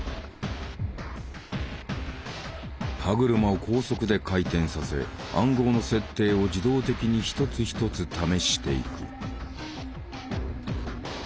歯車を高速で回転させ暗号の設定を自動的に一つ一つ試していく。